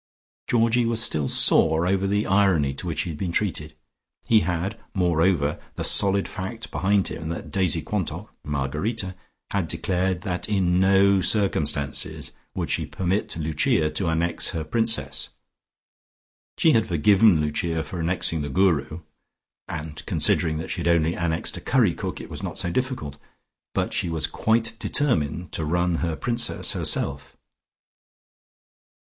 Georgie was still sore over the irony to which he had been treated. He had, moreover, the solid fact behind him that Daisy Quantock (Margarita) had declared that in no circumstances would she permit Lucia to annex her Princess. She had forgiven Lucia for annexing the Guru (and considering that she had only annexed a curry cook, it was not so difficult) but she was quite determined to run her Princess herself.